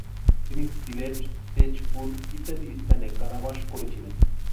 তিনি ছিলেট, তেজপুর ইত্যাদি স্থানে কারাবাস করেছিলেন।